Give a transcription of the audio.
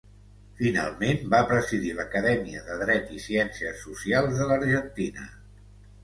Finalment va presidir l'Acadèmia de Dret i Ciències Socials de l'Argentina.